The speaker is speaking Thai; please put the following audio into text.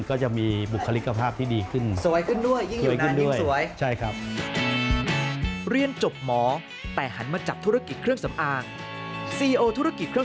ก็จะมีบุคลิกภาพที่ดีขึ้นด้วย